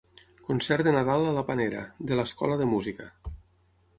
Concert de Nadal a la Panera, de l'escola de música.